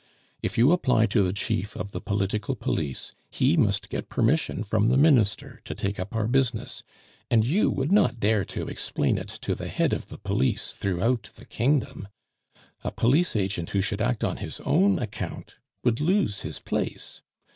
If you apply to the chief of the political police, he must get permission from the Minister to take up our business, and you would not dare to explain it to the head of the police throughout the kingdom. A police agent who should act on his own account would lose his place.